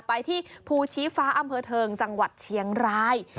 ไปที่ภูชีฟ้าอำเภอเทิงจังหวัดเชียงราย